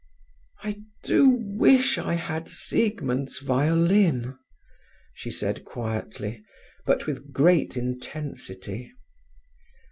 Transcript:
"I do wish I had Siegmund's violin," she said quietly, but with great intensity.